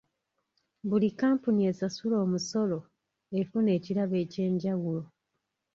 Buli kkampuni esasula omusolo efuna ekirabo eky'enjawulo.